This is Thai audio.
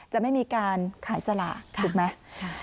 จะไม่มีการขายสลากถูกไหม